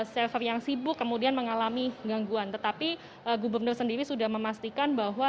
server yang sibuk kemudian mengalami gangguan tetapi gubernur sendiri sudah memastikan bahwa